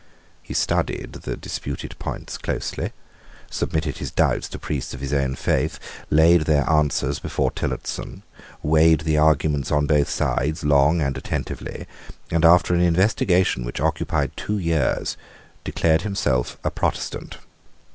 He studied the disputed points closely, submitted his doubts to priests of his own faith, laid their answers before Tillotson, weighed the arguments on both sides long and attentively, and, after an investigation which occupied two years, declared himself a Protestant.